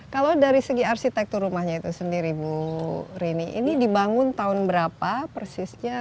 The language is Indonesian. kalau dari segi arsitektur rumahnya itu sendiri bu rini ini dibangun tahun berapa persisnya